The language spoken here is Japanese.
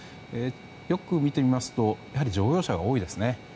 よく見てみますとやはり乗用車が多いですね。